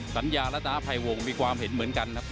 สัญญารัฐนาภัยวงศ์มีความเห็นเหมือนกันครับ